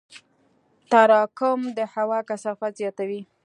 تراکم د هوا کثافت زیاتوي.